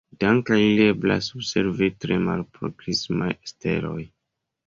Dank'al ili eblas observi tre malproksimaj steloj.